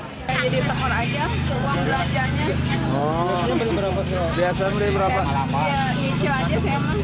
uang belajarnya iya ngicil aja saya emang harus berapa gitu aja